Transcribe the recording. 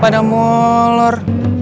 padahal kamu lor